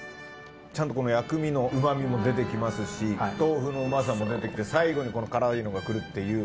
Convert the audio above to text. ちゃんとこの薬味のうま味も出て来ますし豆腐のうまさも出て来て最後にこの辛いのが来るっていう。